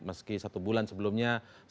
meski satu bulan sebelumnya sempat menang